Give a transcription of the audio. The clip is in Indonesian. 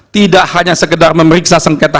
tidak hanya sekedar memeriksa sengketa